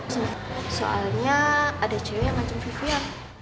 soalnya ada cewek yang macam vivian